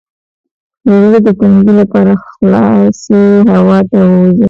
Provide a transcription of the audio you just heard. د زړه د تنګي لپاره خلاصې هوا ته ووځئ